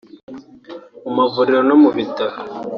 mu mavuriro no mu bitaro